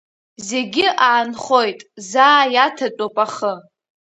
Зегьы аанхоит, заа иаҭатәуп ахы.